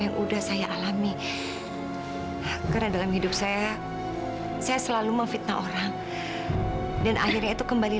yang udah saya alami karena dalam hidup saya saya selalu memfitnah orang dan akhirnya itu kembali